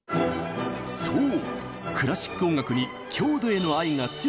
そう！